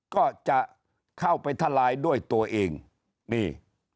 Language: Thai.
ก็จะเข้าไปทลายด้วยตัวเองนี่